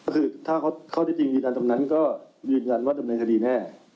คือถ้าข้อที่จริงยืนยันตรงนั้นก็ยืนยันว่าดำเนินคดีแน่